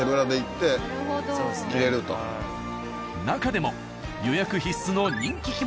なかでも予約必須の人気着物